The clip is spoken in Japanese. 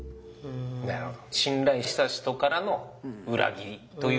あなるほど。